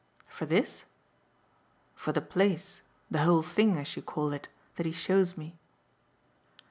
"For 'this'?" "For the place, the whole thing, as you call it, that he shows me."